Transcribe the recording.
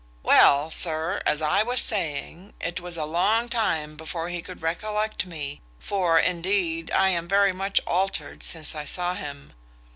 "Well, sir, as I was saying, it was a long time before he could recollect me; for, indeed, I am very much altered since I saw him.